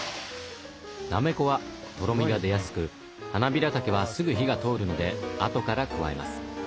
なめこはとろみが出やすくハナビラタケはすぐ火が通るのであとから加えます。